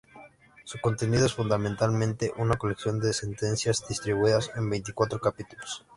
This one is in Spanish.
Su contenido es fundamentalmente una colección de sentencias distribuidas en veinticuatro capítulos.